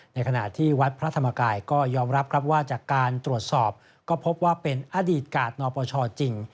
ในขณะที่วัดพระธรรมกายก็ยอมรับครับว่าจากการตรวจสอบก็พบว่าเป็นอดีตกาศนปชจริง